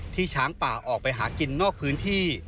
ช้างป่าออกไปหากินนอกพื้นที่